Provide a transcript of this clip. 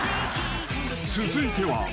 ［続いては］